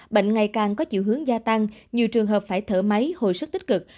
bệnh ngày càng có chiều hướng gia tăng nhiều trường hợp phải thở máy hồi sức tích cực